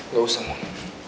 gak usah mon